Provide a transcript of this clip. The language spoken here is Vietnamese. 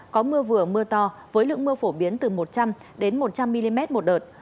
có mưa vừa mưa to với lượng mưa phổ biến từ một trăm linh một trăm linh mm một đợt